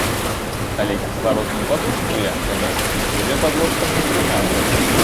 Але кіслародную падушку я, канешне, у сябе пад ложкам не трымаю.